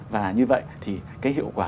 và như vậy thì cái hiệu quả